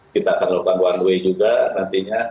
kita akan melakukan one way juga nantinya